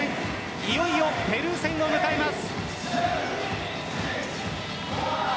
いよいよ、ペルー戦を迎えます。